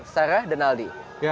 sarah dan aldi